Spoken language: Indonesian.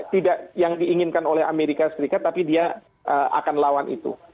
tidak yang diinginkan oleh amerika serikat tapi dia akan lawan itu